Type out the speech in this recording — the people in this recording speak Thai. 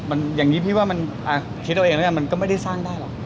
มันอย่างนี้พี่ว่ามันคิดเอาเองแล้วมันก็ไม่ได้สร้างได้หรอก